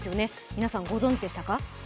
皆さん、ご存じでしたか。